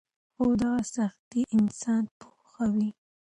خو دغه سختۍ انسان پوخوي.